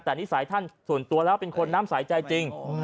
แต่นิสัยท่านส่วนตัวแล้วเป็นคนน้ำสายใจจริง